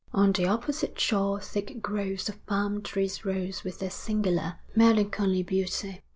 On the opposite shore thick groves of palm trees rose with their singular, melancholy beauty.